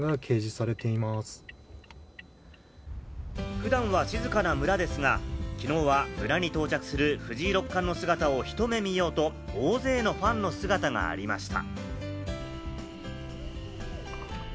普段は静かな村ですが、きのうは村に到着する藤井六冠の姿をひと目見ようと、大勢のファンの姿がありました。